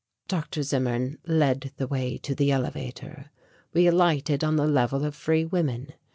Dr. Zimmern led the way to the elevator. We alighted on the Level of Free Women.